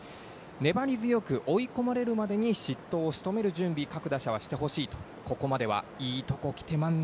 粘り強く追い込まれるまでに失投をしとめる準備を各打者はしてほしいとここまではいいとこ来てまんな